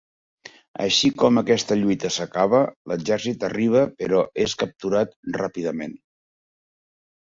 Així com aquesta lluita s'acaba, l'exèrcit arriba però és capturat ràpidament.